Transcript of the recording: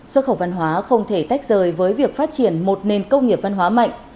xuất khẩu văn hóa không thể tách rời với việc phát triển một nền công nghiệp văn hóa mạnh